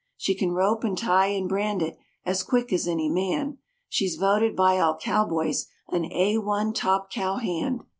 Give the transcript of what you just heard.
She can rope and tie and brand it as quick as any man; She's voted by all cowboys an A 1 top cow hand.